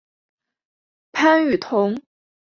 潘雨桐。